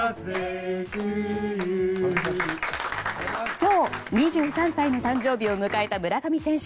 今日、２３歳の誕生日を迎えた村上選手。